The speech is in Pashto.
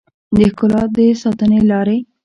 د ښکلا د ساتنې لارې